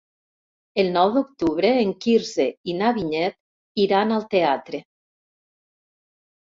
El nou d'octubre en Quirze i na Vinyet iran al teatre.